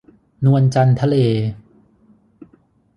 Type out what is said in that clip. นวลจันทร์ทะเล